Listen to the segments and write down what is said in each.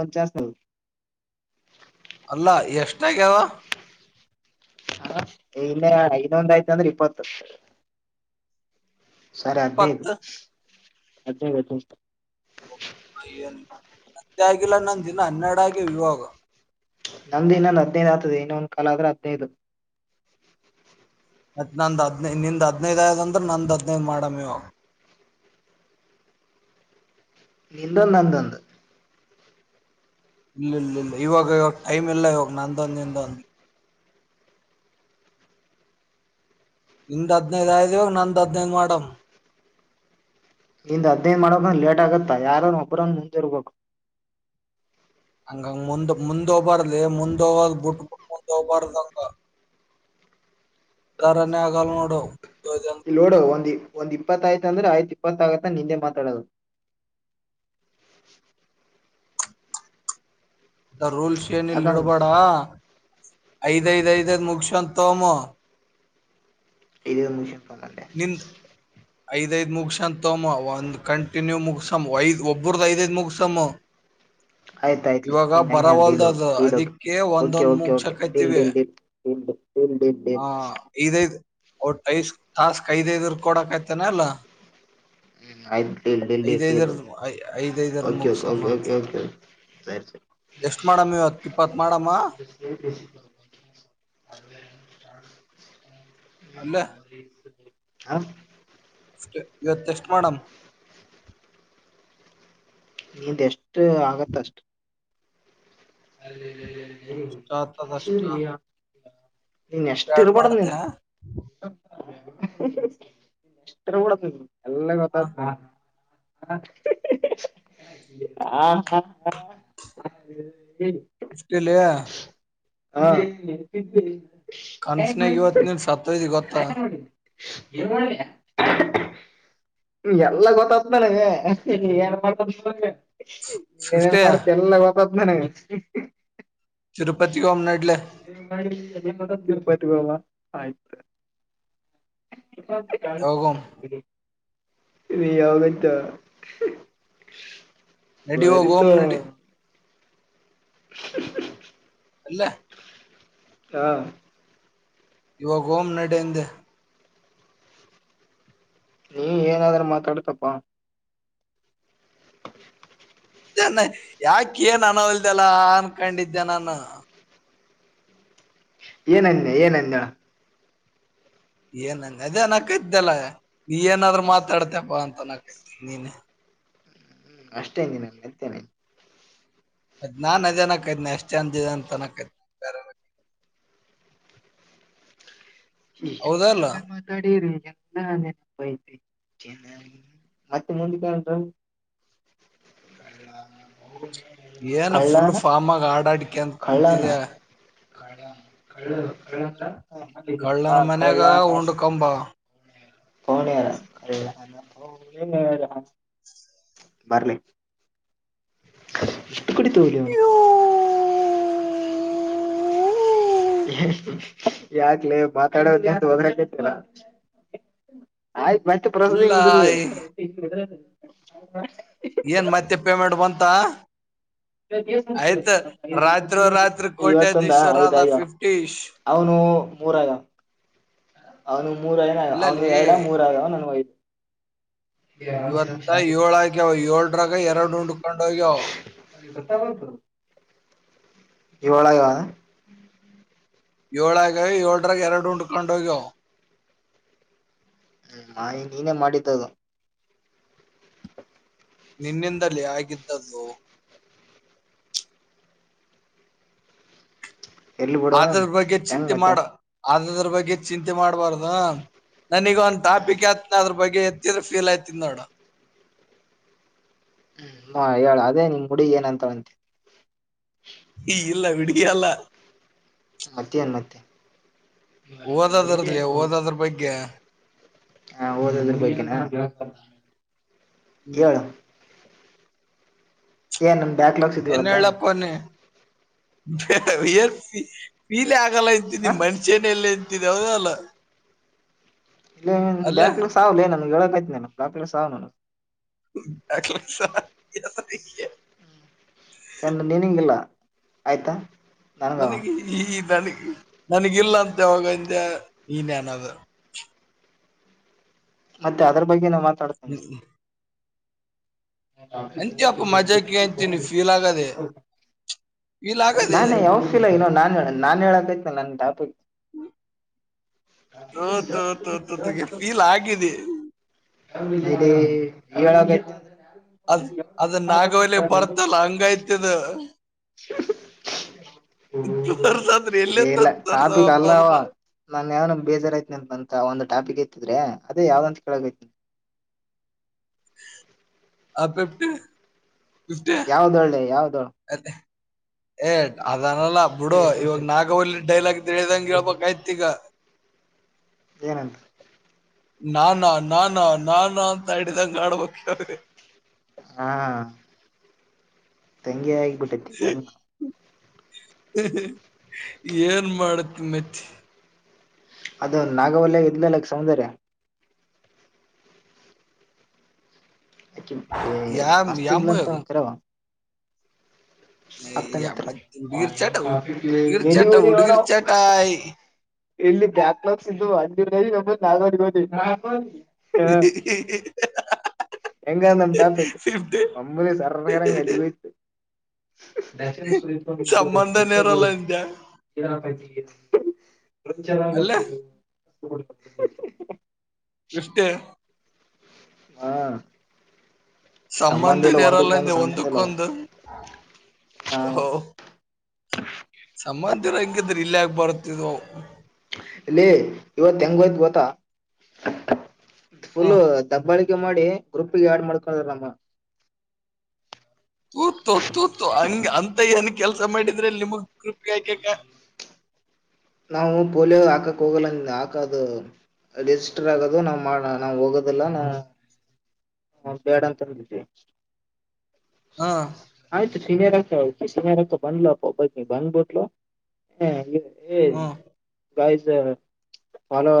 ಒಂದ್ ಚಾನ್ಸ್ ಅಲ್ಲ ಎಷ್ಟಾಗ್ಯಾವ? ಏ ಇಲ್ಲ ಇನ್ನೊಂದ್ ಆಯ್ತ್ ಅಂದ್ರೆ ಇಪ್ಪತ್ತು. ಸರ್ ಹದ್ನ್ ಇಪ್ಪತ್ ಹದ್ನೖದ್ [unintelligible] ಏನ ಹತ್ತೇ ಆಗಿಲ್ಲ ನನ್ ಇನ್ನ ಹನ್ನೆರಡಾಗವ್ ಇವಾಗ. ನಂದಿನ್ನೊಂದ್ ಹದಿನೈದ್ ಆತದೆ ಇನ್ನೊಂದ್ ಕಾಲ್ ಆದ್ರೆ ಹದಿನೈದು. ಅದ್ ನಂದ್ ಹದ್ನೈ ನಿಂದ್ ಹದ್ನೈದ್ ಆದ ಅಂದ್ರೆ ನಂದ್ ಹದ್ನೈದ್ ಮಾಡಮ್ಮಿವಾಗ್. ನಿಂದೊಂದ್ ನಂದೊಂದು ಇಲ್ಲಿಲ್ಲಿಲ್ಲ ಇವಾಗ ಇವಾಗ ಟೈಮ್ ಇಲ್ಲ ಇವಾಗ ನಂದೊಂದ್ ನಿಂದೊಂದು. ನಿಂದ್ ಹದ್ನೈದ್ ಆಯ್ದಿವಾಗ್ ನಂದ್ ಹದ್ನೈದ್ ಮಾಡಮ್. ನಿಂದ್ ಹದ್ನೖದು ಮಾಡಕಂದ ಲೇಟ್ ಆಗತ್ತ ಯಾರನ ಒಬ್ರನ್ ಮುಂದ್ ಇರ್ಬೇಕು. ಹಂಗ ಮುಂದ್ ಮುಂದ್ ಹೋಗಬಾರ್ದಲೇ ಮುಂದೋಗಲ್ ಬುಟ್ ಬಿಟ್ಟ ಮುಂದೋಗಬಾರ್ದಂಗ ಉಧ್ಧಾರನೇ ಆಗಲ್ ನೋಡು. ಇಲ್ನೋಡು ಒಂದಿ ಒಂದ್ ಇಪ್ಪತ್ತಾಯ್ತ್ ಅಂದ್ರೆ ಆಯ್ತು ಇಪ್ಪತ್ ಆಗತ್ತ ನಿಂದೆ ಮಾತಾಡೋದು. ಆ ರೂಲ್ಸ್ ಏನ್ ಇಲ್ ಯಾಕಂದ್ರ ಇಡ್ಬೇಡ. [inaudible] ಐದೖದೖದ್ ಮುಗ್ಸ್ [unintelligible] ತೋಮ್ಮು. [unintelligible] ನಿಂದ್ ಐದೖದ್ ಮುಗಸಂತೊಮ್ಮು ಒಂದ್ ಕಂಟಿನ್ಯೂ ಮುಗಸಮ್ಮ ಐದ್ ಒಬ್ಬ್ರದ್ ಐದೈದ್ ಮುಗಸಮ್ಮು. ಅಯ್ತಾಯ್ತ್ ನಿಂದ್ ಹೆಂಗ್ ಡೀಲು ಡೀಲು ಅದಿಕ್ಕೆ ಓಕೆ ಒಂದೊಂದ್ ಓಕೆ ಓಕೆ ಡೀಲ್ ಮುಗ್ಸಕೈತಿವಿ ಡೀಲ್ ಡೀಲ್. [unintelligible] ಡೀಲ್ ಆ ಇದಿದ್ ಒಟ್ಟೖಸ್. ಟಾಸ್ಕ್ ಐದೇದರ್ದ್ ಕೊಡಕತ್ತನ ಅಲ್ಲ. ಹ್ಮ್ ಐದ್ ಡೀಲ್ ಡೀಲ್ ಡೀಲ್ ಡೀಲು ಐದೈದರ್ ಐದೈದರ್ ಓಕೆ ಓಕ್ ಮುಗಸಮ್ ಅಂತ ಓಕ್ ಓಕ್. ಸರಿ ಸರಿ. ಎಷ್ಟ್ ಮಾಡಮ್ಮ ಇವತ್ತು ಇಪ್ಪತ್ ಮಾಡಮ್ಮ. ಅಲ್ಲೇ [unintelligible] ಹ. ಸ್ಟೆ ಇವತ್ತೇಷ್ಟ್ ಮಾಡಮ್. ನೀಂದೇಶ್ ಟ್ ಆಗತ್ತಷ್ಟು. ಅಲ್ಲಿಲ್ಲಿ ಅಷ್ಟ [unintelligible] [inaudible] ನೀನ್ ಎಷ್ಟ ಎರಡ್ ಇರ್ಬ್ಯಾಡ್ದ್ ಮಾಡ್ತೆ ನೀನ್ [unintelligible] ಎಲ್ಲ ಗೊತ್ತಾತ್ ಅ. ಆ ಹಾ ಹ ಹ. ಇಷ್ಟೆಲ್ಲೆ. ಆ [unintelligible] ಕನ್ಸ್ನಾಗ್ ಇವತ್ ನೀನ್ ಸತ್ತೋಗಿದ್ದಿ ಗೊತ್ತಾ. ಏನ್ ಮಾಡಿ ಎಲ್ಲ ಗೊತ್ತಾಗತನಗೆ ಏನ್ ಮಾಡ್ತ ಶ ಏನ್ ಫಿಫ್ಟಿ ಮಾಡ್ತ್ಯ ಎಲ್ಲ ಗೊತ್ತಾದ್ ನನಗೆ. [inaudible] ತಿರುಪತಿಗೆ ಹೋಮ್ ನಡ್ಲೆ ಬ ಬ ಆಯ್ತು [unintelligible] ಯಾವಾಗ ಹೋಮ್ [unintelligible] [unintelligible] ನಡಿ ಇವಾಗ್ ಬರಿತು ಹೋಗುಂ ನಡಿ. [inaudible] ಇಲ್ಲ. ಹಾ ಇವಾಗೋಂ ನಡೆ ಅಂದೆ. ನೀ ಏನಾದ್ರು ಮಾತಾಡ್ಕೊಪ್ಪ. ನ್ನ ಯಾಕ ಏನ್ ಅನೋಲ್ದೆಲ್ಲ ಅನ್ಕೊಂಡಿದ್ದೆ ನಾನು. ಏನ್ ಅಂದೆ ಏನ್ ಅಲ್ಲ. ಏನಂದ ಅದೇ ಅನಕ್ಕದಲ್ಲ ನೀ ಏನಾದ್ರು ಮಾತಾಡ್ಕೊಪ್ಪಾ ಅಂತ ಅನಾಕತ್ತಿ ನೀನ. ಹ್ಮ್ ಅಷ್ಟೇ ನೀನು ನಿ [unintelligible] ಅದ್ ನಾನ್ ನಜೆನಕದ್ನ ಎಷ್ಟ್ ಚಂದಿದೆ ಅಂತನಕನ ಬ [unintelligible] ಏ ಹೆಂಗ ಹೌದಲ್ಲ ಹೆಂಗ ಮಾತಾಡಿರಿ? [unintelligible] ಏನು ಫುಲ್ ಕಳ್ಳನ ಫಾರ್ಮಾಗ ಹಾಡು ಹಾಡಿಕೊಂಡು ಕುಂತಿದ್ದೆ. [unintelligible] ಕೇಳುತ್ತಾ? [unintelligible] ನಮ್ಮ ಮನ್ಯಾಗ ಉಂಡ್ಕಂಬ ಪೌನ್ಯಾ [unintelligible] [unintelligible] ಬರ್ಲಿ. ಎಷ್ಟ್ ಕಡಿತಾವ್ಲೇ ಅವ್ನು. ಯಾಕ್ಲೇ ಮಾತಾಡೋದ್ ಎದ್ದ್ ಒದಾರಾಕತ್ತಿ ಅಲ್ಲಾ. ಆಯ್ತ್ ಮತ್ತೆ ಇಲ್ಲ ಪ್ರೊಸೆಸಿಂಗ್ ಬಿದ್ದದ. ಆ ಏನ್ ಮತ್ತೆ ಪೇಮೆಂಟ್ ಬಂತಾ. ರಾತ್ರಿ ಇವತ್ತೊಂದ ಕೋಟ್ಯಾಧೀಶ್ವರ ಐದ ಆದ ಆಗ್ಯಾವ ಫಿಫ್ಟೀಶ್ ಅವನು ಮೂರ ಆಗ್ಯಾವ. ಅವನು ಮೂರ ಏನ ಅವನು ಇಲ್ಲಲ್ಲಿ ಎರಡ ಮೂರ [unintelligible] ಇವತ್ತ ಏಳ ಆಗ್ಯಾವ ಏಳರಾಗ ಎರಡ ಉಂಡಕೊಂಡೋಗ್ಯಾವ. ಏಳ ಆಗ್ಯಾವ. ಏಳ ಆಗ್ಯಾವ ಏಳರಾಗ ಎರಡ ಉಂಡಕೊಂಡೋಗ್ಯಾವ. ಹ್ಮು ಮಾಯಿ ನೀನೇ ಮಾಡಿದ್ದದು. ನಿನ್ನಿಂದಲೇ ಆಗಿದ್ದ ಅದು. ಎರ್ಲಿ ಬಿಡು ಅದರ ಬಗ್ಗೆ ಮತ್ತೆ ಹೆಂಗ್ ಚಿಂತಿ ಮತ್ತೆ ಮಾಡ. ಅದದ್ರ ಬಗ್ಗೆ ಚಿಂತಿ ಮಾಡ್ಬಾರ್ದ. ನನೀಗ ಒಂದು ಹ್ಮ್ ಟಾಪಿಕ್ ಹತ್ತ್ ಆದ್ರೂ ಬಗ್ಗೆ ಎತ್ತಿದ್ರ ಫೀಲ್ ಆಯ್ತಿದ್ ನೋಡ್. ಹ್ಮು ಹೇಳ ಅದೇ ನಿಮ್ ಗುಡ ಏನಂತಾನ್ ಅಂತ್ ಹೇ ಈ ಇಲ್ಲ ವಿಡ್ಗಿ ಅಲ್ಲ. ಮತ್ತೆನ್ ಮತ್ತೆ. ಓದೋದ್ ಇರ್ಲಿ ಓದೋದ್ರ ಬಗ್ಗೆ ಹಾ ಓದೋದ್ರ ಬಗ್ಗೆನಾ. ಹ್ಮ್ ಹೇಳ್ ಏನಮ್ ಬ್ಯಾಕ್ಲಾಗ್ಸ್ ಇದ್ದು [unintelligible] [unintelligible] ಹ [unintelligible] ಮನುಷ್ಯನಲ್ಲ ತ್ತಿದೆ ಹೌದೋ ಅಲ್ಲೋ. ಲೇ ನೀನ್ [unintelligible] [unintelligible] ನಾಕ್ ಲಕ್ಷ [unintelligible] ಚೆಂಡ್ ನೀನಿಂಗಿಲ್ಲ ಆಯ್ತಾ ನನ್ಗವ ನನಗೆ ಈ [unintelligible] ನನಗಿಲ್ಲ ಅಂತ ಯಾವಾಗ್ ಅಂದೆ [unintelligible] ಮತ್ತೆ ಅದರ್ ಬಗ್ಗೆನ ಮತ್ತ್ [unintelligible] ಹ್ಮ್ ಅಂತ್ಯಪ್ಪ ಮಜಾಕಿ ಅಂತೀನಿ ಫೀಲ್ ಆಗದೆ ಫೀಲ್ ಆಗದೆ ಮೊನ್ನಿ ಯಾವ್ ತೋ ತೋ ತೋ ತೋ ತೋಗೆ ಫೀಲ್ ಆಗಿದೆ [unintelligible] [unintelligible] ಅದ್ ಅದ ನಾಗವಲೆ ಬರ್ತಲ್ಲ ಹಂಗಾಯ್ತದ ತೋರ್ಸಂದ್ರ ಎಲ್ಲೇ ಎ ಇಲ್ಲ ತಂದ ಟಾಪಿಕ್ ತೋರ್ಸವಪ್ಪ ಅಲ್ಲ ಅದ್ರ ನನ್ ಏನೋ ಬೇಜಾರಾಯತನಂತ ಒಂದ ಟಾಪಕ್ ಎತ್ತಿದ್ರೆ ಅದೇ ಯಾವ್ದಂತ ಕೇಳಾಕತ್ತೀನಿ. ಆ ಪಿಪ್ಟಿ. ಯಾವ್ದ ಹೇಳೇ ಯಾವ್ದು. ಅದೇ ಎ ಅದಲ್ಲ ಬುಡು ಇವಾಗ ನಾಗವಲ್ಲಿ ಡೈಲಾಗ್ ತಿಳಿದಂಗ ಹೇಳ್ಬೇಕ್ ಆಯ್ತ್ ಈಗಾ. ಏನಂತ ನಾನಾ ನಾನಾ ನಾನ ಅಂತ ಹಿಡಿದಂಗ ಆಡಬೇಕ್ [unintelligible] ಹಾ ಹಂಗೆ ಆ ಬಿಟ್ಟತ್ತಿ ಹೆಂಗ್ ಏನ್ ಮಾಡ್ತಿ ಮತ್ತೆ. ಅದ ನಾಗವಲ್ಯಾಗ್ ಇದ್ಲಲ್ಲ್ ಸೌಂದರ್ಯ ಅಕ್ಕಿ ಎ ಯಾಮ್ ಮಸ್ತ್ ಇದ್ಲ ಯಾಮು ಅಂತ [unintelligible] ಮಿತ್ರ [unintelligible] ಹುಡ್ಗೀರ ನೆನ್ನಿ ಹೋದಿ ನೋಡ ನಾವ್ ಚಟಾಯ. ಇಲ್ಲಿ ಬ್ಯಾಕ್ಲಾಗ್ಸ್ [unintelligible] ಹ ಹೆಂಗಂದಮ್ ಟಾಫಿಕ್ ಫಿಫ್ಟಿ ಒಮ್ಮುಲೆ [unintelligible] ಎಲ್ಲಿಗ್ ಹೋಯ್ತ ಸಂಬಂಧನೇ ಇರಲ್ಲ ಅಂದ್ಯ [unintelligible] [inaudible] ಅಲ್ಲೇ ಚೆನ್ನಾಗಿರ್ತಿವಿ [unintelligible] ಇಷ್ಟೇ ಹಾ ಸಂಬಂಧ ಇಲ್ಲ ಒಂದಕ್ ಒಂದ್ ಸಂಬಂಧನೇರಲ್ಲಂದ್ಯಾ ಸಂಬಂಧ ಇಲ್ಲ ಅವು ಒಂದಕ್ಕೊಂದ ಹಾ ಹ. ಸಂಬಂಧೀರ್ ಹಂಗಿದ್ರ ಇಲ್ಯಾಕ್ ಬರ್ತಿದ್ ಅವ್. ಲೇ ಇವತ್ತ ಹೆಂಗ ಹೋಯ್ತ ಗೊತ್ತಾ. ಹಾ ಫುಲ್ಲು ದಬ್ಬಾಳಿ [unintelligible] ಮಾಡಿ ಗ್ರೂಪಿಗೆ ಆಡ್ ಮಾಡ್ಕೊರ್ ನಮ್ಮನ್. ತೂತೋ ತೂತೋ ಹಂಗ ಅಂತೈಯ ನಿಂಗ್ ಕೆಲ್ಸ ಮಾಡಿದ್ರೆ ಲಿಮಗ್ ಗ್ರೂಪ್ [unintelligible] ನಾವು ಪೋಲಿಯೋ ಅದು ಹಾಕಾಕ್ ಹೋಗುಲಾಂಗ್ ಆಕದ್ ರಿಜಿಸ್ಟರ್ ಆದಾಗು ನಾವ್ [unintelligible] ನಾವ ಹೋಗೋದಿಲ್ಲ [unintelligible] ಬೇಡಂತಂದವಿ ಅ ಸೀನಿಯರ್ ಅಂತ್ ಅವಳು [unintelligible] ಬಂದ್ಬಿಟ್ಲು. ಏನ್ ಹ್ಮ್ ಬಾಯ್ಸ್ ಫಾಲೋ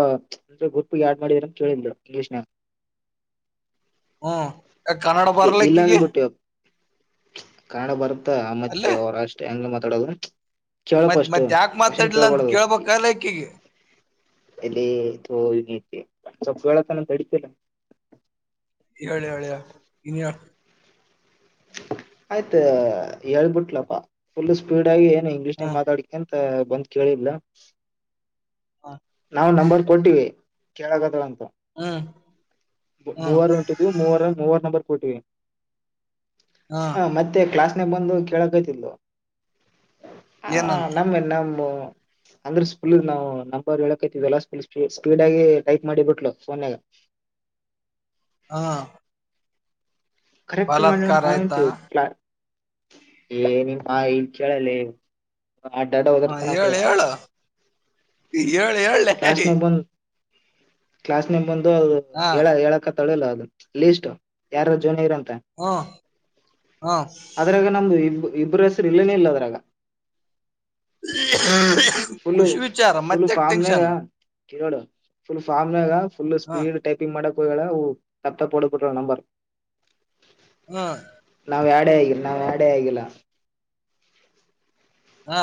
ಗ್ರೂಪಿಗ್ ಆಡ್ ಮಾಡಿರೇನ್ ಕೇಳ್ದೆ [unintelligible] ಅ ಎ ಕನ್ನಡ ಇಲ್ಲ ಬರ್ಲಕ್ಕಿಗಿ. ಅಂದ್ಬಿಟ್ಟು ಕನ್ನಡ ಬರು ತ್ತ [unintelligible] ತಡ ಆದ್ರೆ. ಮತ್ತ್ ಮತ್ತ್ಯಾಕ್ ಮತ್ತ್ [unintelligible] ಅಂತ ಕೇಳ್ಬಲಕಿಗ. ಅಲ್ಲಿ ತೋ [unintelligible] ಸ್ವಲ್ಪ್ ಹೇಳೋತನ್ ತಡಿತಿ ಇಲ್ಲ್. ಹೇಳ್ ಹೇಳ್ ಇನ್ನ್ ಹೇಳ್. ಆಯ್ತ ಹೇಳ್ಬಿಟ್ಲಪ್ಪಾ ಫುಲ್ ಸ್ಪೀಡ್ ಆಗಿ ಇಂಗ್ಲಿಷನ್ಯಾಗ್ ಹ್ಮ್ ಮಾತಾಡಿಕಂತ ತ್ತ ಬಂದ್ ಕೇಳಿದ್ಲ. ಹ ನಾವು ನಂಬರ್ ಕೊಟ್ಟೀವಿ. ಕೇಳಾಕತ್ತಳಂತ್ ಹ್ಮ್ [unintelligible] ಹ್ಮ್ ಮೂವತ್ತ್ ನಂಬರ್ ಇತ್ತ್. ಕೊಟ್ವಿ ಹ್ಮ ಅ ಮತ್ತೆ ಕ್ಲಾಸ್ ಲ್ಲೇ ಬಂದು ಕೇಳಕತ್ಲಿದ್ಲು. ಹಆ ಏನಂತ ನಮ್ಮೇ ನಮ್ಮು ಅಂದ್ರೆ [unintelligible] ನಾವು ನಂಬರ್ ಹೇಳಾಕತ್ತಿದ್ವಿ ಎಲ್ಲ ಸ್ಪೀ ಸ್ಪೀ ಸ್ಪೀಡ್ ಆಗಿ ಟೈಪ್ ಮಾಡಿ ಬಿಟ್ಲು ಫೋನ್ಯಾಗ. ಹಾ ಕರೆಕ್ಟ್ ಮಾಡಿಳ್ ಅಂತ್ ನಾವ್ ಆಯ್ತಾ ಅಂತು [unintelligible] ಆಡ್ ಅಡ್ಡ ವರ್ತಾನಪ ಇವಾ. ಈ ಹೇಳ್ ಹೇಳಿಲೇ. ಕ್ಯಾಶ್ ನೆ ಬಂದ್ [unintelligible] ದೋ ಹ ಹೇಳ್ ಹೇಳಕ್ [unintelligible] ಅದು ಲಿಸ್ಟ್ ಯಾರ ಜೂನಿಯರ್ ಅಂತ್. ಹ್ಮ್ ಹ್ಮ್ ಅದ್ರಾಗು ನಮ್ದು ಇಬ್ರು ಇಬ್ಬರು ಹೆಸರು ಇಲ್ಲನೇ ಇಲ್ಲ ಅದ್ರಾಗ. [inaudible] ಫುಲ್ ಖುಷಿ ವಿಚಾರ ಮತ್ತೆಕ್ ಟೆನ್ಷನ್ ಕೇಳು ಫುಲ್ ಪಾಮ್ನಾಗ. ಫುಲ್ ಹ ಸ್ಪೀಡ್ ಟೈಪಿಂಗ್ ಮಾಡಕ್. [unintelligible] ನಂಬರ್ ಹ್ಮ ನಾವ್ಹ್ಯಾಡ್ ಆಗಿಲ್ಲ ನಾವ್ ಹ್ಯಾಡ್ ಆಗಿಲ್ಲ. ಹಾ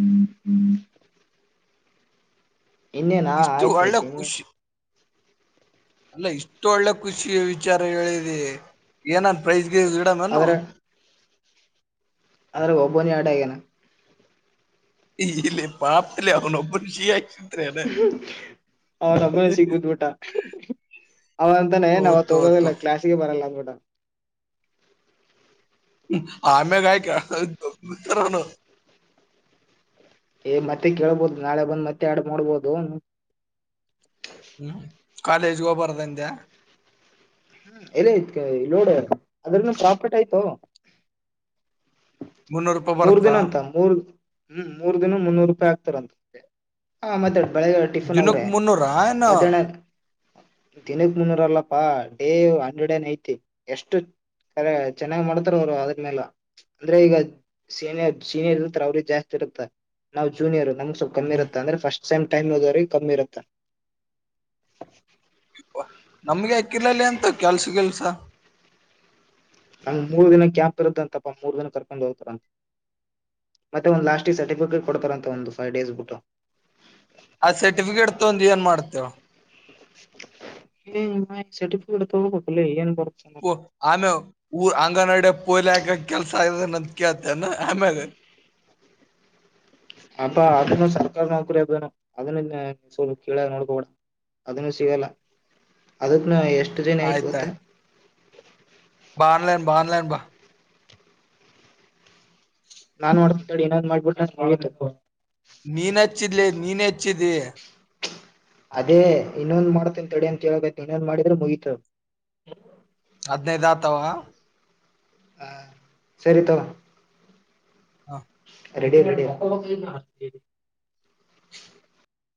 ಹ್ಮ್ ಹ್ಮ್ ಇನ್ನೇನ ಇಷ್ಟು ಆಯ್ತು ಒಳ್ಳೆ ಆಯ್ತು ಇನ್ನೇನ್. ಖುಷಿ ಅಲ್ಲ ಇಷ್ಟು ಒಳ್ಳೆ ಖುಷಿ ವಿಚಾರ ಹೇಳಿದಿ ಏನಂತ್. ಪ್ರೈಜ್ ಗಿಜ್ ಇಡವೇನು. ಆದದ್ರೆ ಒಬ್ಬೊನೆ ಆಟ ಏನ. ಇಲ್ಲಿ ಪಾಪದಲ್ಲಿ ಅವ್ನು ಒಬ್ಬನ್ ಷಿಯಕ್ಷ್ನ್. ಅವನಬ್ಬನ ಸಿಗ್ಬುದ್ಬಿಟ್ಟ ಅವನಂತಾನೇ ನಾವ್ ಓತು ಅವತ್ ಓತು ಹೊಗೋದಿಲ್ಲ ಕ್ಲಾಸ್ಗೆ ಬರಲ್ಲ ಅಂದಬಿಟ್. [inaudible] ಆಮೇಗ್ ಯಾಕೆ [unintelligible] ಏ ಮತ್ತೆ ಕೇಳ್ಬೋದು ನಾಳೆ ಬಂದ್ ಮತ್ತೆ ಆಡ್ ಮಾಡ್ ನೋಡ್ಬೋದು. ಹ್ಮ ಕಾಲೇಜ್ ಹೋಗ್ಬಾರದ ಇಂದೇ. ಹ್ಮ ಎಲ್ ಅಯ್ತಿ ಲೋಡ ಅದ್ರನು ಪ್ರಾಫಿಟ್ ಅಯ್ತೋ. [inaudible] ಮುನ್ನೂರು ರೂಪಾಯಿ ಮೂರ್ ಬರ್ತಾ ದಿನ ಅಂತ ಮೂರ್. ಹ್ಮ್ ಮೂರ್ ದಿನ ಮುನ್ನೂರು ರೂಪಾಯಿ ಹಾಕ್ತಾರಂತೆ ಹಾ ಮಾತಾಡಿ. ದಿನುಕ್ ಮುನ್ನೂರಾ ಏನು. ದಿನಿಕ್ ಮುನ್ನೂರಲ್ಲ ಪಾ. ಹೆ ಹಂಡ್ರೆಡ್ ಏನ್ ಅಯ್ತಿ ಎಷ್ಟು ಚೆನ್ನಾಗ್ ಮಾಡುತ್ತಾರ್ ಅವ್ರು ಅದ್ರ ಮೇಲ ಅಂದ್ರೆ ಈಗ ಸೀನಿಯರ್ ಸೀನಿಯರ್ ಇರ್ತಾರೆ ಅವರ್ಗ್ ಜಾಸ್ತಿ ಇರುತ್ತ ನಾವ್ ಜೂನಿಯರ್ ನಮ್ಗ್ ಸ್ವಲ್ಪ್ ಕಮ್ಮಿ ಹ್ಮ್ ಇರುತ್ತೆ ಅಂದ್ರೆ ಫಸ್ಟ್. ಸೇಮ್ ಟೈಮ್ ಹೋದವ್ರಿಗ್ ಕಮ್ಮಿ ಇರುತ್ತ. ನಮ್ಗೆ ಅಕ್ಕಿರ್ಲಲ್ಲಿ ಅಂತ ಕೆಲ್ಸ್ ಗಿಲ್ಸ. ನಂಗ್ ಮೂರ್ ದಿನ ಕ್ಯಾಂಪ್ ಇರುತ್ತಂತಪ್ಪ ಮೂರ್ ದಿನ ಕರ್ಕೊಂಡ್ ಹೋಗ್ತಾರಂತೆ ಮತ್ತೆ ಒಂದ್ ಲಾಸ್ಟ ಇಗ್ ಸರ್ಟಿಫಿಕೇಟ್ ಕೊಡ್ತಾರ್ ಅಂತೇ ಒಂದು ಫೈವ್ ಡೇಸ್ ಬಿಟ್ಟು. ಆ ಸರ್ಟಿಫಿಕೇಟ್ ತೊಂದು ಏನ್ ಮಾಡ್ತೀಯೋ. ಏ ಮಗನೆ ಸರ್ಟಿಫಿಕೇಟ್ ತೋಗಬೇಕಲೆ ಏನ್ ಬರುತ್ತೆ [unintelligible] ಊರ್ ಅಂಗನವಾಡಿ ಪೋಲಿಯೊ ಹಾಕೋ ಕೆಲ್ಸ ಇದಾನಂತ್ ಕೇತ್ತೇನು ಆಮ್ಯಾಗೆ. ಅಪ್ಪ ಅದನು ಸರ್ಕಾರಿ ನೌಕರಿ ಅದುನು ಅದನ್ನ ಸ್ವಲ್ ಕೀಳಾಗ್ ನೋಡ್ಕೋಬೇಡ ಅದನ್ನು ಸಿಗಲ್ಲ ಅದಕ್ನು ಎಷ್ಟ್ ಟುಡೇ ನೈಟ್ ಗೊತ್ತ. ಆಯ್ತಾಯ್ ಬಾ ಆನ್ಲೈನ್ ಬಾ ಆನ್ಲೈನ್. ಬಾ ನಾನ್ ಮಾಡ್ತೀನಿ ತಡಿ ಇನ್ನೊಂದ್ ಮಾಡ್ಬಿಟ್ರೆ ಆಗೊಯ್ತಪ್ಪ. ನೀನಚ್ಚಿದಲೇ ನೀನೆ ಹಚ್ಚಿದಿ. ಅದೇ ಇನ್ನೊಂದ್ ಮಾಡ್ತೀನಿ ತಡಿ ಅಂತೇಳಕತಿ ಇನ್ನೊಂದ ಮಾಡಿದ್ರೆ ಮುಗತು. ಹದಿನೈದ್ ಆತವ. ಹಾ ಸರಿ ತಗೋ. ಹಾ ರೆಡಿ ರೆಡಿ